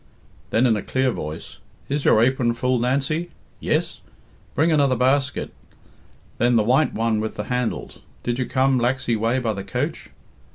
Then, in a clear voice, "Is your apron full, Nancy? Yes? Bring another basket, then; the white one with the handles. Did you come Laxey way by the coach?